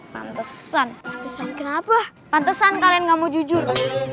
pantesan pantesan kenapa pantesan kalian enggak mau jujur